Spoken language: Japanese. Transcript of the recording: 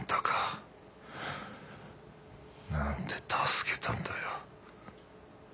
何で助けたんだよ。